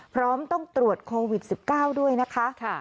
พร้อมต้องตรวจโควิด๑๙ด้วยนะคะ